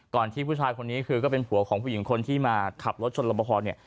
ที่ผู้ชายคนนี้คือก็เป็นผัวของผู้หญิงคนที่มาขับรถชนรับประพอเนี่ย